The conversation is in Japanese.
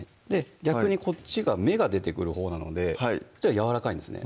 こっちが芽が出てくるほうなのでこっちはやわらかいんですね